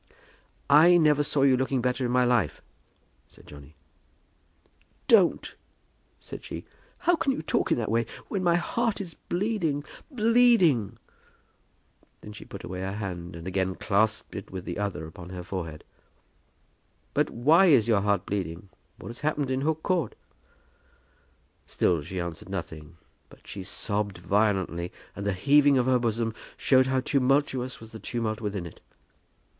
"I never saw you looking better in my life," said Johnny. "Don't," said she. "How can you talk in that way, when my heart is bleeding, bleeding." Then she pulled away her hand, and again clasped it with the other upon her forehead. "But why is your heart bleeding? What has happened in Hook Court?" Still she answered nothing, but she sobbed violently and the heaving of her bosom showed how tumultuous was the tumult within it.